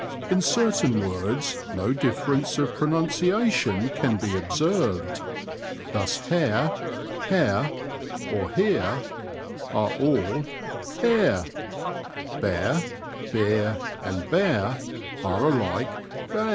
In certain words no difference of pronunciation can be observed : thus, hare, hair, or hear, are all hayr ; bear, beer, and bare, are alike bayr.